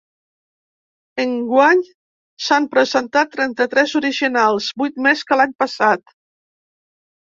Enguany s’han presentat trenta-tres originals, vuit més que l’any passat.